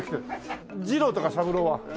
二郎とか三郎は？